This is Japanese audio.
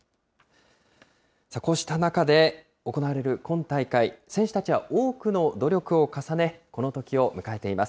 こうした中で行われる今大会、選手たちは多くの努力を重ね、このときを迎えています。